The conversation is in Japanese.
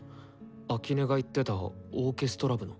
秋音が言ってたオーケストラ部の。